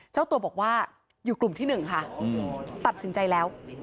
เจ้าตัวบอกว่าอยู่กลุ่มที่๑ค่ะตัดสินใจแล้ว